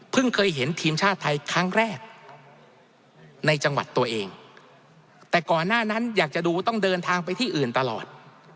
เคยเห็นทีมชาติไทยครั้งแรกในจังหวัดตัวเองแต่ก่อนหน้านั้นอยากจะดูต้องเดินทางไปที่อื่นตลอด